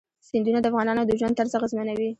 سیندونه د افغانانو د ژوند طرز اغېزمنوي.